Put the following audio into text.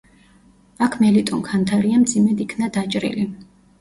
აქ მელიტონ ქანთარია მძიმედ იქნა დაჭრილი.